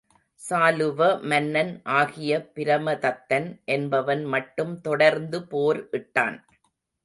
சாலுவ மன்னன் ஆகிய பிரமதத்தன் என்பவன் மட்டும் தொடர்ந்து போர் இட்டான்.